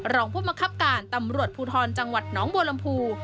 รองผู้มังคับการตำรวจภูทรจังหวัดน้องบัวลำพู